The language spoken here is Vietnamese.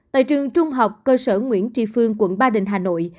tại trường trung học cơ sở nguyễn tri phương quận ba đình hà nội